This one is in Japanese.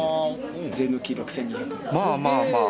税抜き６，２００円。